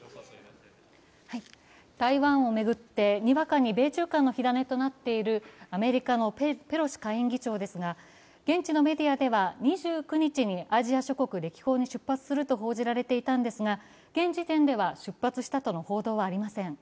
台湾を巡ってにわかに米中間の火種となっているアメリカのペロシ下院議長ですが、現地のメディアでは２９日にアジア諸国歴訪に出発すると報じられていたんですが現時点では出発したとの報道はありません。